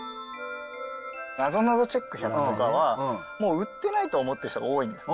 なぞなぞチェック１００とかは、もう売ってないと思ってる人が多いんですよ。